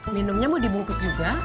minumnya mau dibungkus juga